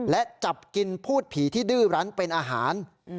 และจับกินพูดผีที่ดื้อรั้นเป็นอาหาร